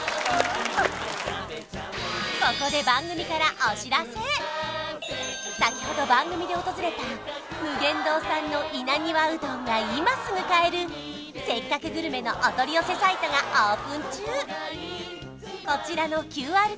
ここで先ほど番組で訪れた無限堂さんの稲庭うどんが今すぐ買える「せっかくグルメ」のお取り寄せサイトがオープン中